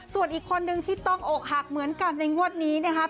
ส่วนอีกคนนึงที่ต้องอกหักเหมือนกันในงวดนี้นะครับ